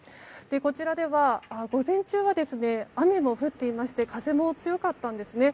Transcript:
こちらでは午前中は雨も降っていまして風も強かったんですね。